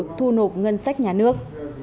họ thu nộp ngân sách nhà nước